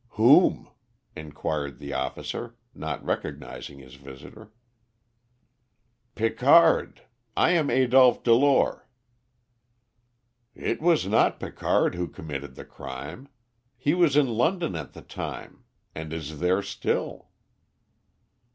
"Whom?" inquired the officer, not recognising his visitor. "Picard. I am Adolph Delore." "It was not Picard who committed the crime. He was in London at the time, and is there still."